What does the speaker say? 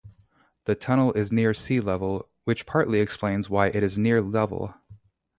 The tunnel is near sea-level, which partly explains why it is near level.